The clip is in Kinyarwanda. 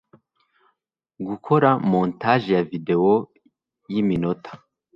gukora montage ya videwo yiminota